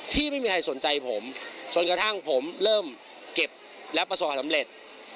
ที่ไม่มีใครสนใจผมจนกระทั่งผมเริ่มเก็บและประสบความสำเร็จ